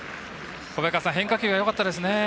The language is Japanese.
変化球がよかったですね。